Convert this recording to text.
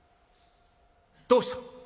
「どうした？」。